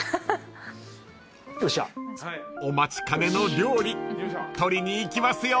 ［お待ちかねの料理取りに行きますよ］